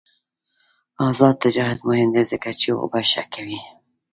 آزاد تجارت مهم دی ځکه چې اوبه ښه کوي.